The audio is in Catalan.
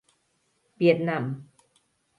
Vietnam.